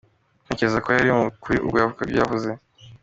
"Ntekereza ko yari mu kuri ubwo yavugaga ibo yavuze.